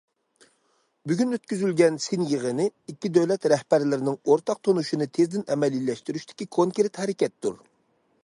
بۈگۈن ئۆتكۈزۈلگەن سىن يىغىنى ئىككى دۆلەت رەھبەرلىرىنىڭ ئورتاق تونۇشىنى تېزدىن ئەمەلىيلەشتۈرۈشتىكى كونكرېت ھەرىكەتتۇر.